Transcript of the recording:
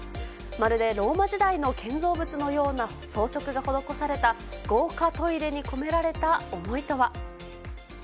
まるでローマ時代の建造物のような装飾が施された豪華トイレに込められた思いとは。